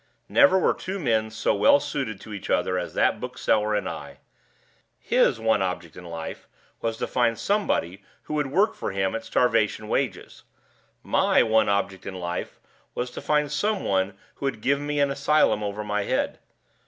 Never were two men so well suited to each other as that book seller and I. His one object in life was to find somebody who would work for him at starvation wages. My one object in life was to find somebody who would give me an asylum over my head.